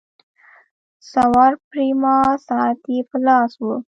سوار پریما ساعت یې په لاس وو.